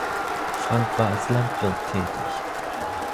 Frank war als Landwirt tätig.